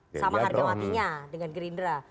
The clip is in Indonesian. sama harga matinya dengan gerindra